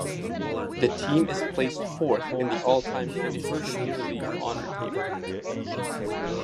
The team is placed fourth in the all-time Finnish premier league honour table.